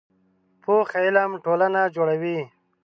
پوخ علم ټولنه جوړوي